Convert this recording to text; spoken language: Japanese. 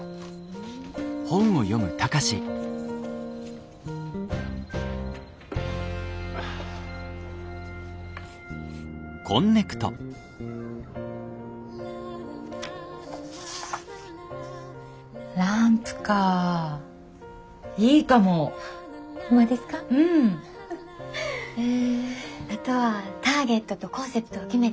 あとはターゲットとコンセプトを決めて先方に提案ですね。